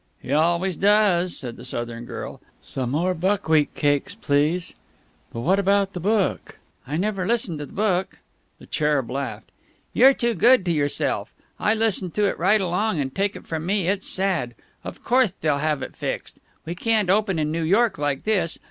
"He always does," said the Southern girl. "Some more buckwheat cakes, please. But what about the book?" "I never listen to the book." The Cherub laughed. "You're too good to yourself! I listened to it right along, and take it from me it's sad! Of courthe they'll have it fixed. We can't open in New York like this.